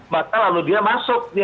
maka lalu dia masuk